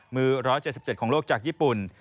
๑๗๗ของโลกจากญี่ปุ่น